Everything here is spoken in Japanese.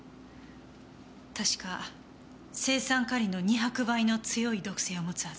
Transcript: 確か青酸カリの２００倍の強い毒性を持つはず。